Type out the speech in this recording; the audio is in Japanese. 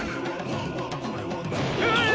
うわっ！